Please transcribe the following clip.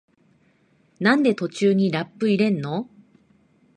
なんで途中にラップ入れんの？